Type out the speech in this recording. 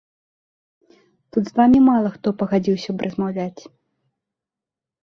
Тут з вамі мала хто пагадзіўся б размаўляць.